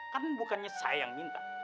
karena bukannya saya yang minta